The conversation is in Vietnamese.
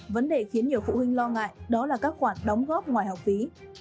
vấn đề khiến nhiều phụ huynh lo ngại đó là các khoản đóng góp ngoài học phí